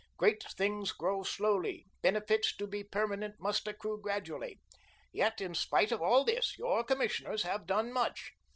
Great things grow slowly, benefits to be permanent must accrue gradually. Yet, in spite of all this, your commissioners have done much.